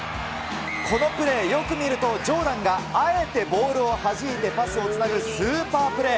このプレー、よく見ると、ジョーダンがあえてボールをはじいてパスをつなぐスーパープレー。